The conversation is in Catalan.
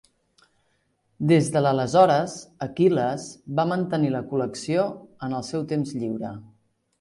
Des de l'aleshores, Aquil·les va mantenir la Col·lecció en el seu temps lliure.